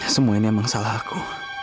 semua ini emang salah aku